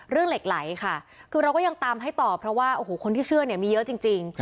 เหล็กไหลค่ะคือเราก็ยังตามให้ต่อเพราะว่าโอ้โหคนที่เชื่อเนี่ยมีเยอะจริง